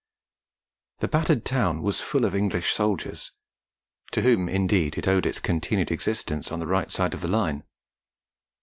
The battered town was full of English soldiers, to whom indeed it owed its continued existence on the right side of the Line.